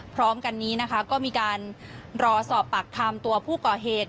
พร้อมกันนี้นะคะก็มีการรอสอบปากคำตัวผู้ก่อเหตุ